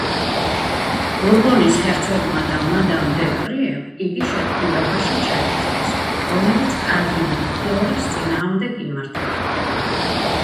ბურბონის ჰერცოგმა და მადამ დე პრიემ იგი შეთქმულებაში ჩაითრიეს, რომელიც კარდინალ ფლორის წინააღმდეგ იმართებოდა.